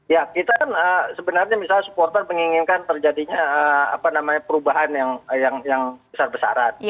ya kita kan sebenarnya misalnya supporter menginginkan terjadinya perubahan yang besar besaran